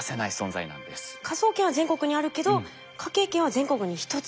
科捜研は全国にあるけど科警研は全国に１つだけと。